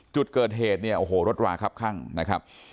จุดเกิดเหตุเนี่ยโอ้โหรถราครับข้างนะครับ